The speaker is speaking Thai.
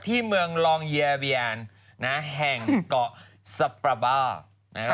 ที่เมืองรองเยเวียนแห่งเกาะสปรบา